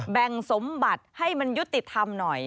แบ่งสมบัติให้มันยุติธรรมหน่อย